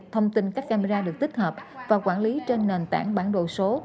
thông tin các camera được tích hợp và quản lý trên nền tảng bản đồ số